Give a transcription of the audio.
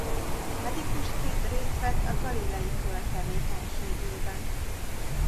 Medikusként részt vett a Galilei-kör tevékenységében.